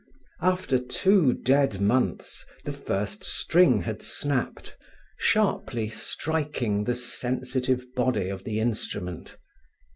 After two dead months the first string had snapped, sharply striking the sensitive body of the instrument.